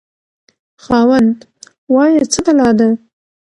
خاوند: وایه څه بلا ده؟